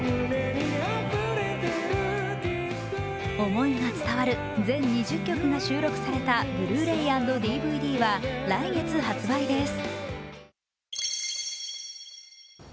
思いが伝わる全２０曲が収録されたＢｌｕ−ｒａｙ＆ＤＶＤは来月発売です。